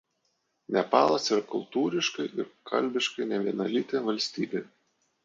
Nepalas yra kultūriškai ir kalbiškai nevienalytė valstybė.